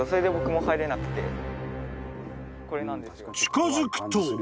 ［近づくと］